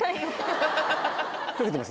溶けてます